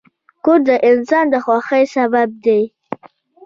کور د انسان د خوښۍ سبب دی.